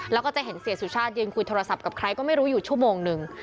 แล้วก็จะเห็นเสียสุชาติยืนคุยโทรศัพท์กับใครก็ไม่รู้อยู่ชั่วโมงนึง